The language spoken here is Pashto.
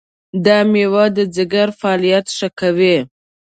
دا مېوه د ځیګر فعالیت ښه کوي.